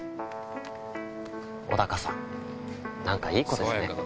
小高さん、なんかいい子ですね。